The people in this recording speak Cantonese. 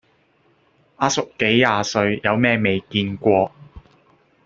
阿叔幾廿歲，有咩未見過